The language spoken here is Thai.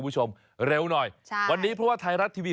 จนจนทั่วอาทิตย์